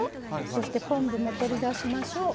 そして昆布も取り出しましょう。